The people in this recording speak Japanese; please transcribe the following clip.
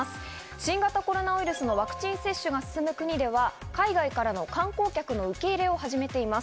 新型コロナウイルスのワクチン接種が進む国では、海外からの観光客の受け入れを始めています。